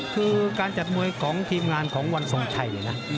คือการจัดมวยของทีมงานของวันส่งไทยนะ